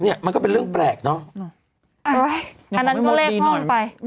เนี้ยมันก็เป็นเรื่องแปลกเนอะ